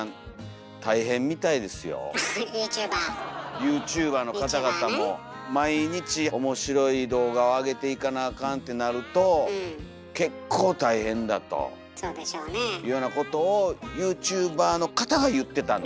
ユーチューバーの方々も毎日面白い動画をあげていかなあかんってなると結構大変だというようなことをユーチューバーの方が言ってたんで。